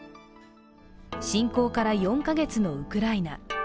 侵攻から４カ月のウクライナ。